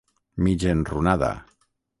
Mig enrunada.